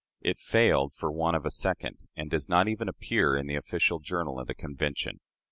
It failed for want of a second, and does not even appear in the official journal of the Convention.